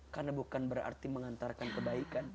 karena bukan berarti mengantarkan kebaikan